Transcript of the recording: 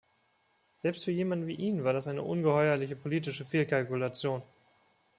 Selbst für jemanden wie ihn war das eine ungeheuerliche politische Fehlkalkulation.